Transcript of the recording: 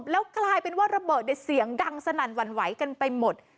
แล้วกลายเป็นว่าระเบิดในเสียงดังสนั่นหวั่นไหวกันไปหมด